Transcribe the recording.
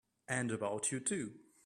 And about you too!